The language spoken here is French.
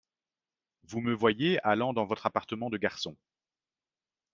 Vous me voyez allant dans votre appartement de garçon.